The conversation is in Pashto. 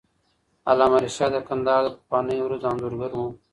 علامه رشاد د کندهار د پخوانیو ورځو انځورګر وو.